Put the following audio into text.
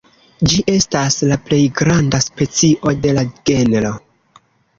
Ĝi estas la plej granda specio de la genro.